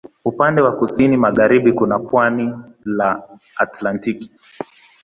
Upande wa kusini magharibi kuna pwani la Atlantiki.